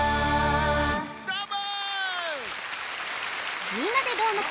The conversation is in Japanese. どーも！